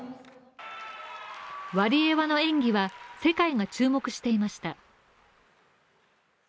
ワリエワの演技は世界が注目していました。